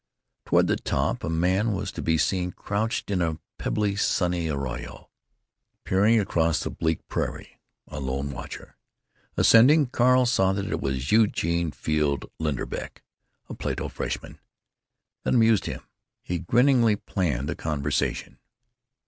Toward the top a man was to be seen crouched in a pebbly, sunny arroyo, peering across the bleak prairie, a lone watcher. Ascending, Carl saw that it was Eugene Field Linderbeck, a Plato freshman. That amused him. He grinningly planned a conversation.